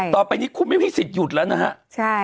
ต่อไปนี้คุณไม่มีสิทธิหยุดแล้วนะฮะ